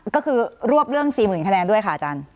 ก็คือรวบเรื่อง๔๐๐๐คะแนนด้วยค่ะอาจารย์